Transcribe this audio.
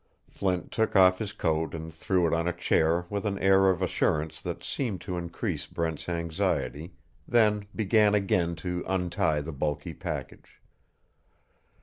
Flint took off his coat and threw it on a chair with an air of assurance that seemed to increase Brent's anxiety, then began again to untie the bulky package.